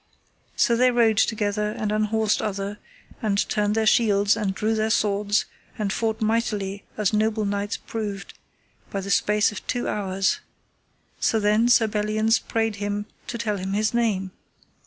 So they rode together, and unhorsed other, and turned their shields, and drew their swords, and fought mightily as noble knights proved, by the space of two hours. So then Sir Belliance prayed him to tell him his name.